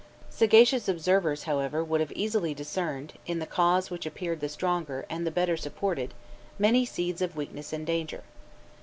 Sagacious observers, however, would have easily discerned in the cause which appeared the stronger and the better supported many seeds of weakness and danger.